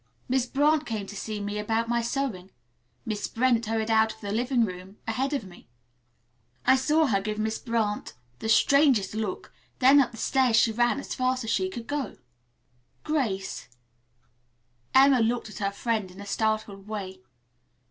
Mrs. Brant came to see me about my sewing. Miss Brent hurried out of the living room ahead of me. I saw her give Mrs. Brant the strangest look, then up the stairs she ran as fast as she could go." "Grace," Emma looked at her friend in a startled way.